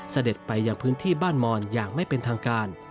เสด็จไปยังพื้นที่บ้านมอนอย่างไม่เป็นทางการ